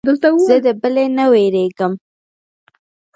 زه د بلې نه وېرېږم.